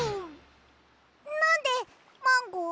なんでマンゴー？